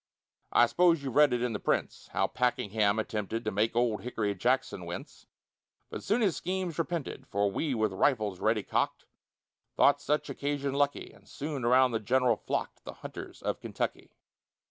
I s'pose you've read it in the prints, How Pakenham attempted To make old Hickory Jackson wince, But soon his schemes repented; For we, with rifles ready cock'd, Thought such occasion lucky, And soon around the general flock'd The hunters of Kentucky.